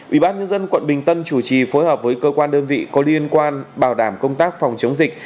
ủy ban nhân dân quận bình tân chủ trì phối hợp với cơ quan đơn vị có liên quan bảo đảm công tác phòng chống dịch